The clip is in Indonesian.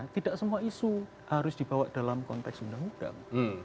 tidak semua isu harus dibawa dalam konteks undang undang